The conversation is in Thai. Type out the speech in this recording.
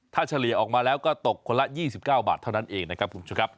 ถ้าเฉลี่ยออกมาแล้วก็ตกคนละ๒๙บาทเท่านั้นเองนะครับคุณผู้ชมครับ